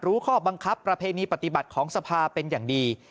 ข้อบังคับประเพณีปฏิบัติของสภาเป็นอย่างดี